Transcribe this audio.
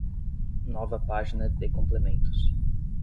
Nova página de complementos.